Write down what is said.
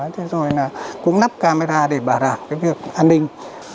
thế rồi là cũng lắp camera để bảo đảm cái việc an ninh